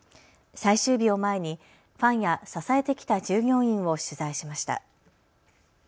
最終日を前にファンや支えてきた従業員を取材しました。